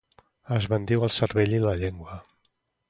Esbandiu el cervell i la llengua